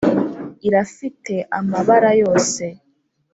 irafite amabara yose